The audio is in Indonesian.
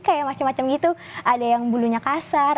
kayak macam macam gitu ada yang bulunya kasar